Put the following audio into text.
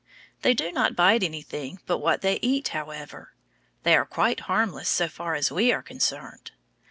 They do not bite anything but what they eat, however. They are quite harmless so far as we are concerned.